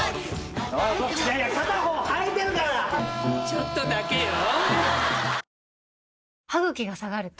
ちょっとだけよ。